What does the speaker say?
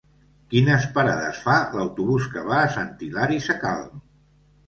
Quines parades fa l'autobús que va a Sant Hilari Sacalm?